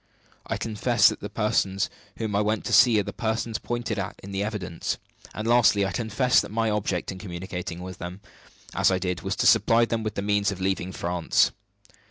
I confess that the persons whom I went to see are the persons pointed at in the evidence. And, lastly, I confess that my object in communicating with them as I did was to supply them with the means of leaving France.